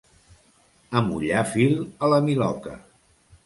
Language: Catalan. Amollar fil a la miloca.